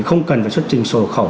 không cần phải xuất trình sổ khẩu